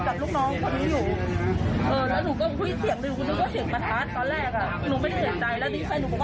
หนูได้ยินเสียงหนูกำลังคุยกับลูกพี่อยู่